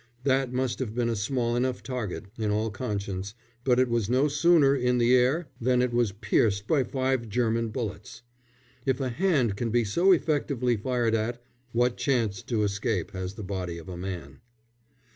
That must have been a small enough target, in all conscience, but it was no sooner in the air than it was pierced by five German bullets. If a hand can be so effectively fired at, what chance to escape has the body of a man?